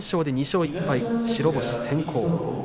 ２勝１敗、白星先行です。